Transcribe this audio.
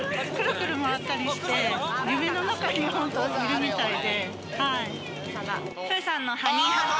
くるくる回ったりして、夢の中にいるみたいで。